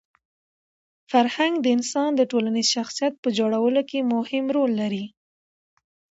فرهنګ د انسان د ټولنیز شخصیت په جوړولو کي مهم رول لري.